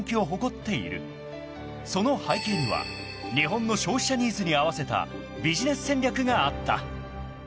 ［その背景には日本の消費者ニーズに合わせたビジネス戦略があった］